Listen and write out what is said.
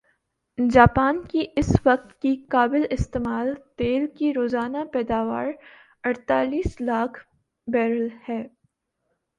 Japan کی اس وقت کی قابل استعمال تیل کی روزانہ پیداواراڑتالیس لاکھ بیرل ھے